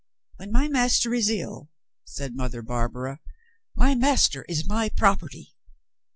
"When my master is ill," said Mother Barbara, "my master is my property."